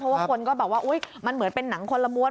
เพราะว่าคนก็บอกว่ามันเหมือนเป็นหนังคนละมวล